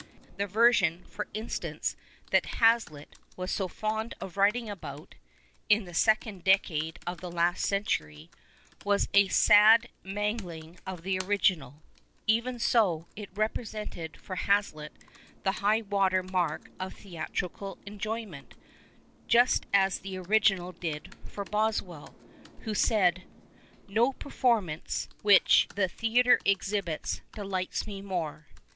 The version, for instance, tiiat Ha/.iitt was so fond of writing alx^ut (in the second decade of the last century) was a sad mangling of the original. Even so, it rej^resented for Ha/litt the high water mark of theatrical enjoyment, just as the original did for Boswcll, who said, " No performance which 127 PASTICHE AND PREJUDICE the theatre exhibits dehghts me more."